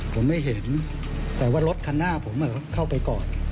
ผมไม่เห็นแต่ว่ารถคันหน้าผมเข้าไปก่อน